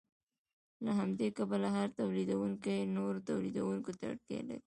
له همدې کبله هر تولیدونکی نورو تولیدونکو ته اړتیا لري